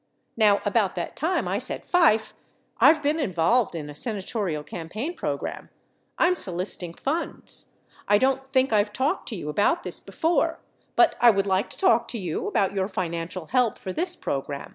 Now, about that time I said, Fife, I've been involved in a senatorial campaign program. I'm soliciting funds. I don't think I've talked to you about this before, but I would like to talk to you about your financial help for this program.